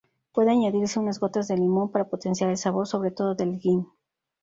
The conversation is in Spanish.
Puede añadirse unas gotas de limón para potenciar el sabor, sobre todo del gin.